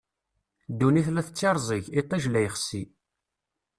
Ddunit la tettirẓig, iṭij la ixeṣṣi.